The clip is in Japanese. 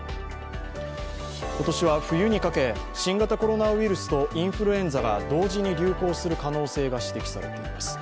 今年は冬にかけ、新型コロナウイルスとインフルエンザが同時に流行する可能性が指摘されています。